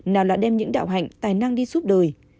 nào là đem những đạo hạnh tài năng đi giúp đời